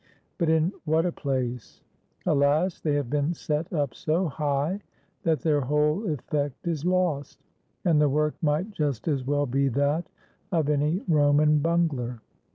But in what a place! Alas, they have been set up so high that their whole effect is lost, and the work might just as well be that of any Roman bungler.